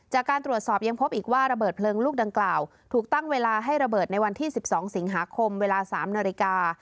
จากการตรวจสอบยังพบอีกว่าระเบิดเพลิงลูกดังกล่าวถูกตั้งเวลาให้ระเบิดในวันที่๑๒สิงหาคมเวลา๓นาฬิกา